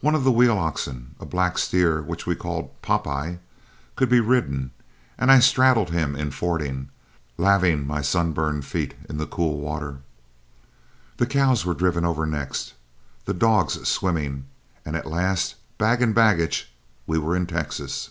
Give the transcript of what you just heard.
One of the wheel oxen, a black steer which we called "Pop eye," could be ridden, and I straddled him in fording, laving my sunburned feet in the cool water. The cows were driven over next, the dogs swimming, and at last, bag and baggage, we were in Texas.